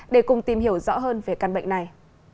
để cùng tìm hiểu rõ hơn về căn bệnh này